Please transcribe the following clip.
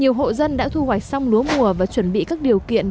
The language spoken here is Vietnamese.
nhiều hộ dân đã thu hoạch xong lúa mùa và chuẩn bị các điều kiện